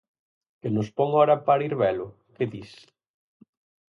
Que nos pon hora para ir velo, que dis?